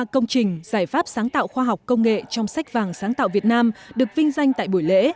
ba công trình giải pháp sáng tạo khoa học công nghệ trong sách vàng sáng tạo việt nam được vinh danh tại buổi lễ